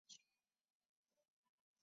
他所属的相扑部屋是阿武松部屋。